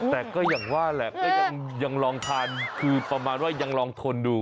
แต่ก็อย่างว่าแหละก็ยังลองทานคือประมาณว่ายังลองทนดู